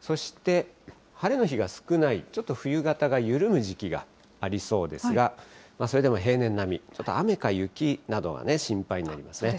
そして、晴れの日が少ない、ちょっと冬型が緩む時期がありそうですが、それでも平年並み、ちょっと雨か雪などは心配になりますね。